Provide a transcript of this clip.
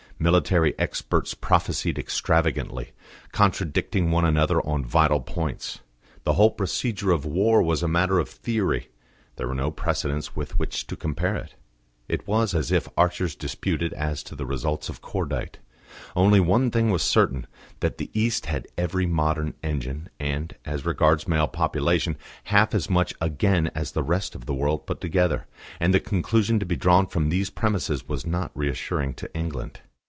Military experts prophesied extravagantly, contradicting one another on vital points; the whole procedure of war was a matter of theory; there were no precedents with which to compare it. It was as if archers disputed as to the results of cordite. Only one thing was certain that the East had every modern engine, and, as regards male population, half as much again as the rest of the world put together; and the conclusion to be drawn from these premisses was not reassuring to England.